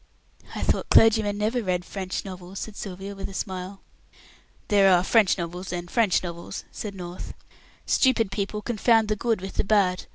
"I thought clergymen never read French novels," said Sylvia, with a smile. "There are French novels and French novels," said North. "Stupid people confound the good with the bad.